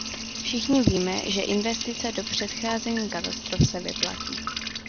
Všichni víme, že investice do předcházení katastrof se vyplatí.